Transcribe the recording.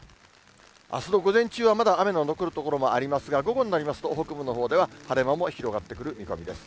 あすの午前中はまだ雨の残る所もありますが、午後になりますと、北部のほうでは晴れ間も広がってくる見込みです。